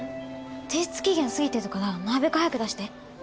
提出期限過ぎてるからなるべく早く出して。